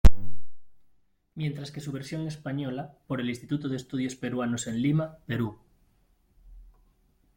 Mientras que su versión española, por el Instituto de Estudios Peruanos en Lima, Perú.